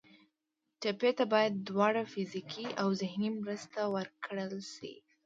ټپي ته باید دواړه فزیکي او ذهني مرسته ورکړل شي.